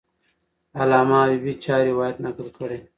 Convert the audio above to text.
علامه حبیبي چا روایت نقل کړی؟